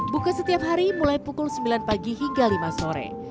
buka setiap hari mulai pukul sembilan pagi hingga lima sore